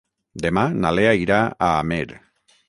Demà na Lea irà a Amer.